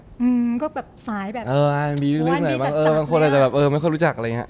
มันก็แบบสายแบบหัวอันมีจักนี่